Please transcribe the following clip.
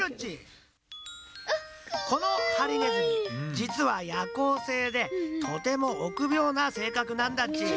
じつはやこうせいでとてもおくびょうなせいかくなんだっち。